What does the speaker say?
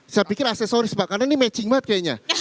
saya pikir aksesoris pak karena ini matching murd kayaknya